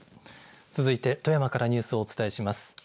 続いて富山からニュースをお伝えします。